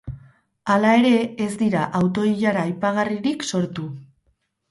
Hala ere, ez dira auto-ilara aipagarririk sortu.